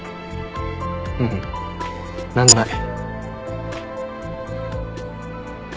ううん何でもない。